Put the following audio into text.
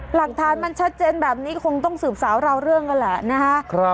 หลักฐานมันชัดเจนแบบนี้คงต้องสืบสาวราวเรื่องกันแหละนะฮะ